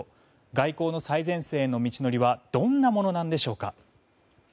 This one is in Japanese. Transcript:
外交の最前線への道のりはどんなものなんでしょうか。